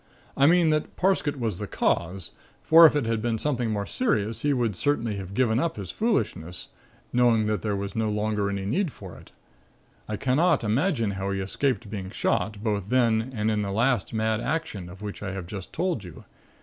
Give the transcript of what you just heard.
I mean that Parsket was the cause, for if it had been something more serious he would certainly have given up his foolishness, knowing that there was no longer any need for it. I cannot imagine how he escaped being shot, both then and in the last mad action of which I have just told you.